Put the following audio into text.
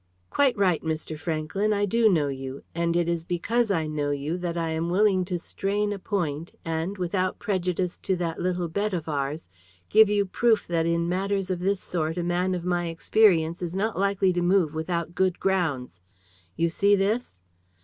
"Quite right, Mr. Franklyn, I do know you, and it is because I know you that I am willing to strain a point, and, without prejudice to that little bet of ours, give you proof that in matters of this sort a man of my experience is not likely to move without good grounds. You see this?"